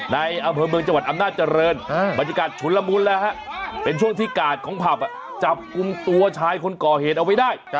อำเภอเมืองจังหวัดอำนาจเจริญบรรยากาศฉุนละมุนแล้วฮะเป็นช่วงที่กาดของผับจับกลุ่มตัวชายคนก่อเหตุเอาไว้ได้